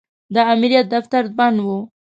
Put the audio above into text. د امریت دفتر بند و.